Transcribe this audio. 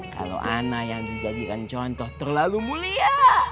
kalau ana yang dijadikan contoh terlalu mulia